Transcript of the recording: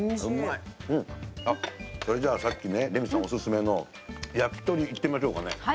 それじゃあ、さっきレミさんおすすめの焼き鳥いってみましょうかね。